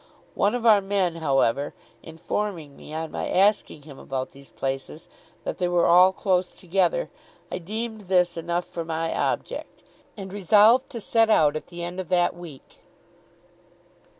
One of our men, however, informing me on my asking him about these places, that they were all close together, I deemed this enough for my object, and resolved to set out at the end of that week.